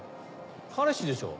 彼氏でしょ。